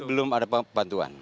belum ada bantuan